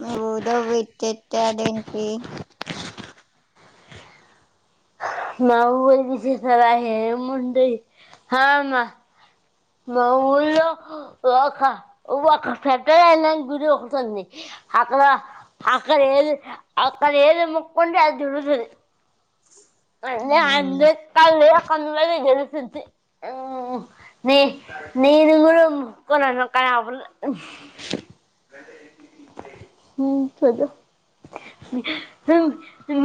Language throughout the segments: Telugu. మీ ఊర్లో విశేషాలు ఏంటి మా ఊరి విశేషాల ఏముంది హా అమ్మ మా ఊళ్లో ఒక ఒక ఫ్యాక్టరీ అయినానికి గుడి ఒకటింది అక్కడ అక్కడ ఏది అక్కడ ఏది మొక్కు కుంటే అది జరుగుతది. అని అందరు కాదు అక్క అందరివి జరుగుద్ది. మ్ మ్ ని నీదీ కూడా మొక్కు మొక్క నేను మొక్కను మ్ చెప్పు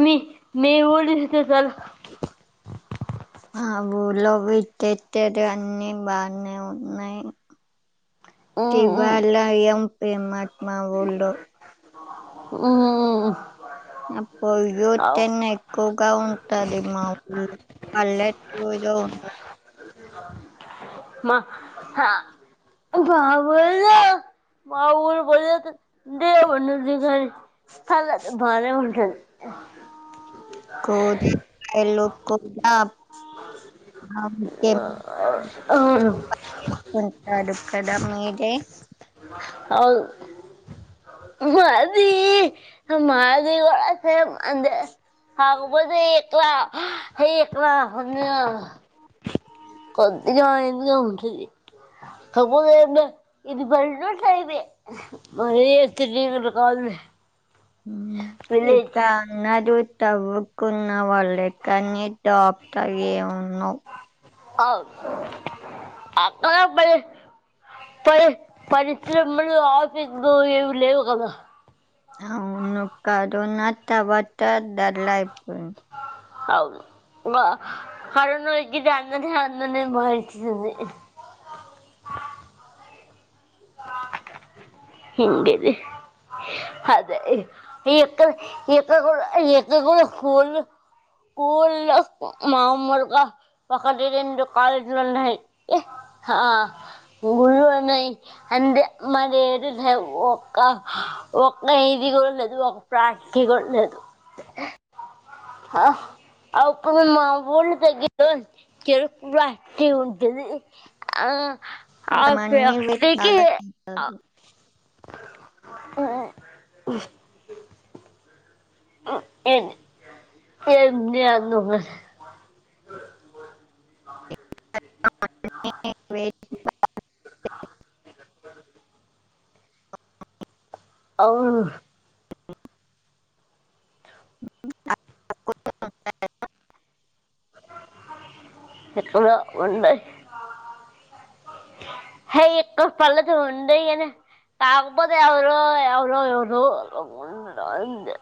మీ మీ ఊరి రిజల్ట్స్ మా ఊలో పెట్టేటివి అన్నీ బానే ఉన్నాయి దేవాలయం ఫేమస్ మా ఊళ్లో ఊ అ పొల్యూషన్ ఎక్కువగా ఉంటది మా ఊళ్లో పల్లెట్ పోదో మా బాబోళ్ళే మాఊలు పోయేసి వచ్చిది కాని బానే వుంటది కొల్ ఎలు కుండా [unintelligible] అవును కొంతడు ఇక్కడ మీది అవు మాది మాది కూడ సేమ్ అంతే కాక పోతే ఎక్కువ ఎక్కువ [unintelligible] కొది కానీది కా ఉసిది [unintelligible] అమ ఇది బంటయి మరే ఒ కావ [unintelligible] ఇ అంగడు [unintelligible] తవ్వుకున్న వాళ్ళు కానీ టాప్ గ ఏ ఉన్నవు అవు అబ [unintelligible] పరి పరిశ్రమలు ఆఫీసులు ఏవి లేవు కదా అవును కరోనా తరువాత డల్ అయిపోయింది అవును వా కరోన్నకితే అన్ననే అన్ననే మయిచంది [unintelligible] హింగది [unintelligible] అదే ఎక్కడ ఎక్కడ కూడా ఎక్కడ కూడా కూల్ కూల్ మామూలుగా ఒకటి రెండు కాలేజీలు ఉన్నయి హ గురున్నాయి అంటే మరి [unintelligible] లే ఒక్క ఒక్క ఇది కూడా లేదు ఒక ప్రాణ [unintelligible] కూడా లేదు హా అప్పుడు మా ఊరికి దగ్గర లో చెరకు ఫ్యాక్టరీ ఉంటుంది. ఆ ఇక మనీ అేక పెట్టి [unintelligible] ఆ ఎ ఎ [unintelligible] అవును ఎప్పుడు ఉంట [unintelligible] హ ఇ పలద ఉంద ఏనే [unintelligible] కాకపోతే ఎవరో ఎవరో [unintelligible] ఎవరోంది